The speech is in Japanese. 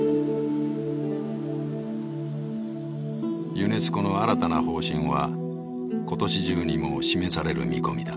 ユネスコの新たな方針は今年中にも示される見込みだ。